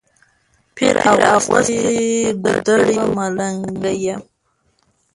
پیر اغوستې ګودړۍ وه ملنګینه